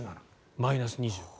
マイナス２５ｋｇ。